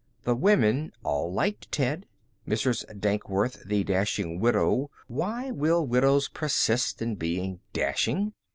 The women all liked Ted. Mrs. Dankworth, the dashing widow (why will widows persist in being dashing?)